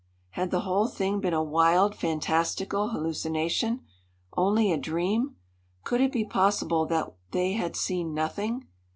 Had the whole thing been a wild, fantastical hallucination? Only a dream? Could it be possible that they had seen nothing?